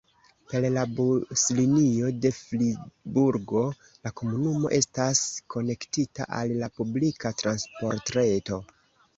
Per la buslinio de Friburgo la komunumo estas konektita al la publika transportreto.